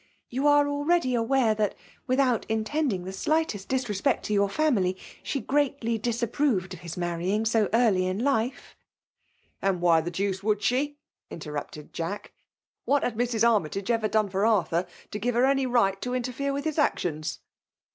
You are already aware that, without intending the slightest disrespect to your family, she greatly disapproved of his marrying so early in life." "And why the deuce should she?" inter * rupted Jack. "What had Mrs. Armytage FEMALIS DOMINATION. 177 evcir done for Arthur to give her any right to interfere with his actions